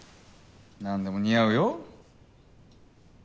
何でも似合うよ。